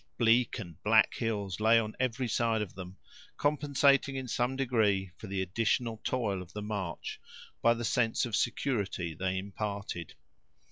Bleak and black hills lay on every side of them, compensating in some degree for the additional toil of the march by the sense of security they imparted.